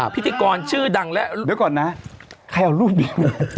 พิธีกรชื่อดังแล้วเดี๋ยวก่อนนะใครเอารูปเดียว